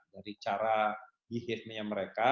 dari cara dihidupnya mereka